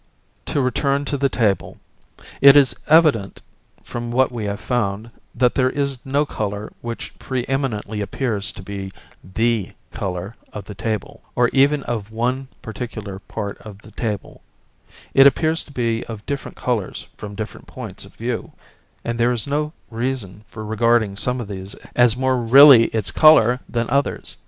To return to the table. It is evident from what we have found, that there is no colour which pre eminently appears to be the colour of the table, or even of any one particular part of the table it appears to be of different colours from different points of view, and there is no reason for regarding some of these as more really its colour than others.